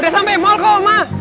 udah sampe mall kok oma